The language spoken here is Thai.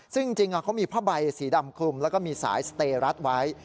ซึ่งจริงเขามีผ้าใบสีดำคลุมแล้วก็มีสายสเตรัดไว้